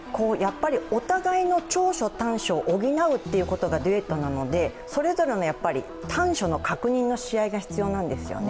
お互いの長所、短所を補うことがデュエットなので、それぞれの短所の確認のし合いが必要なんですよね。